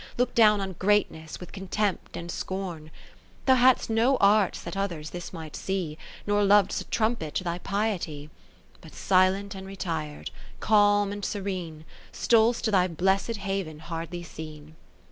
Look down on greatness with con tempt and scorn. 30 Thou hadst no arts that others this might see. Nor lov'dst a trumpet to thy piety : But silent and retir'd, calm and serene, Stol'st to thy blessed Haven hardly seen.